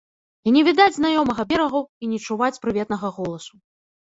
І не відаць знаёмага берагу, і не чуваць прыветнага голасу.